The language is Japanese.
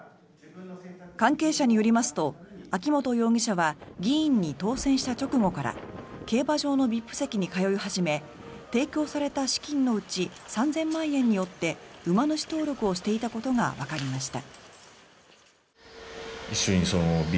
関係者によりますと秋本容疑者は議員に当選した直後から競馬場のＶＩＰ席に通い始め提供された資金のうち３０００万円によって馬主登録をしていたことがわかりました。